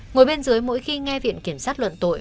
ngồi bên dưới mỗi khi nghe viện kiểm sát luận tội